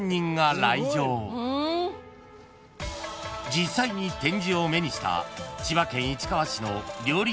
［実際に展示を目にした千葉県市川市の料理